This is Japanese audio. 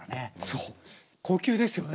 そう高級ですよね。